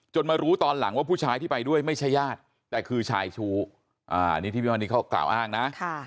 มารู้ตอนหลังว่าผู้ชายที่ไปด้วยไม่ใช่ญาติแต่คือชายชู้อันนี้ที่พี่มณีเขากล่าวอ้างนะ